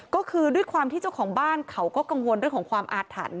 ก็คือด้วยความที่เจ้าของบ้านเขาก็กังวลเรื่องของความอาถรรพ์